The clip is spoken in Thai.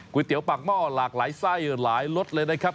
เตี๋ยวปากหม้อหลากหลายไส้หลายรสเลยนะครับ